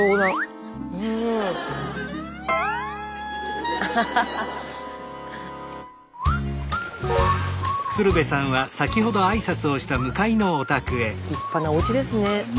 スタジオ立派なおうちですね。